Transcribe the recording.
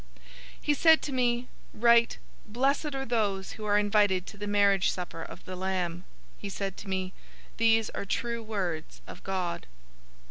019:009 He said to me, "Write, 'Blessed are those who are invited to the marriage supper of the Lamb.'" He said to me, "These are true words of God."